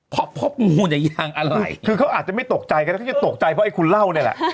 เพราะพบงูเนี่ยยางอะไรคือเขาอาจจะไม่ตกใจก็ได้เขาจะตกใจเพราะไอ้คุณเล่าเนี่ยแหละ